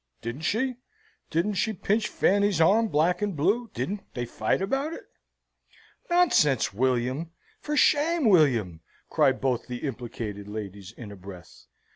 "Didn't she? Didn't she pinch Fanny's arm black and blue? Didn't they fight about it?" "Nonsense, William! For shame, William!" cry both the implicated ladies in a breath.